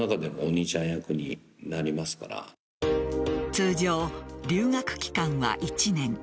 通常、留学期間は１年。